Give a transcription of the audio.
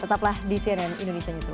tetaplah di cnn indonesia newsroom